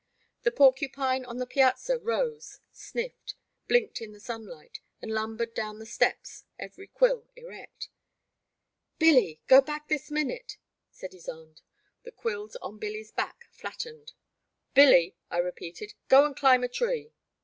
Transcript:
The porcupine on the piazza rose, sniffed, blinked in the sunlight, and lumbered down the steps, every quill erect. Billy ! Go back this minute !*' said Ysonde. The quills on Billy*s back flattened. Billy, I repeated, go and climb a tree.